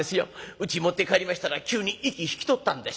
うちへ持って帰りましたら急に息引き取ったんです。